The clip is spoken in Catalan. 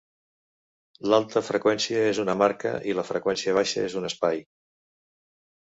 L'alta freqüència és una marca i la freqüència baixa és un espai.